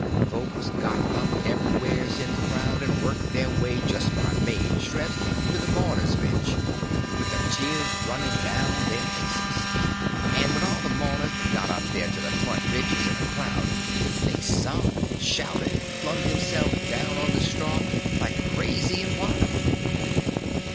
Folks got up everywheres in the crowd, and worked their way just by main strength to the mourners' bench, with the tears running down their faces; and when all the mourners had got up there to the front benches in a crowd, they sung and shouted and flung themselves down on the straw, just crazy and wild.